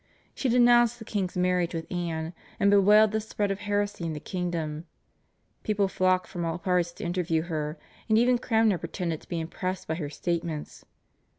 She denounced the king's marriage with Anne, and bewailed the spread of heresy in the kingdom. People flocked from all parts to interview her, and even Cranmer pretended to be impressed by her statements.